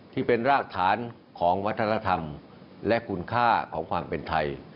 ที่เป็นรากฐานของวัฒนธรรมและคุณค่าของความเป็นไทย